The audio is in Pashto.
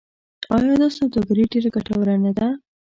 آیا دا سوداګري ډیره ګټوره نه ده؟